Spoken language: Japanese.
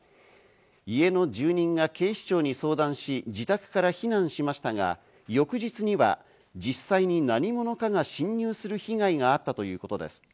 家の住人が警視庁に相談し、自宅から避難しましたが、翌日には実際に何者かが侵入する被害があったということです。